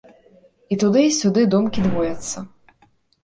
І туды й сюды думкі двояцца.